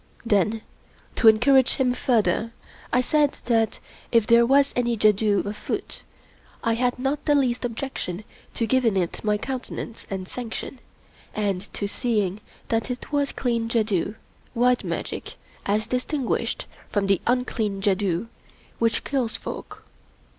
Then, to encourage him further, I said that, if there was any jadoo afoot, I had not the least objection to giving it my countenance and sanction, and to seeing that it was clean jadoo — white magic, as dis tinguished from the unclean jadoo which kills folk.